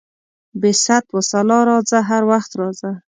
بې ست وسلا راځه، هر وخت راځه.